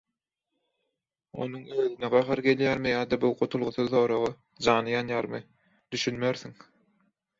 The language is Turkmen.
Onuň özüne gahary gelýärmi ýa-da bu gutulgusyz soraga jany ýanýarmy düşünmersiň.